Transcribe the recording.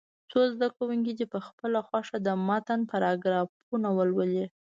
څو زده کوونکي دې په خپله خوښه د متن پاراګرافونه ولولي.